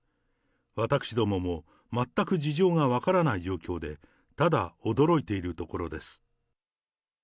私どもも全く事情が分からない状況で、ただ驚いているところです。